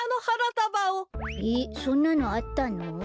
えっそんなのあったの？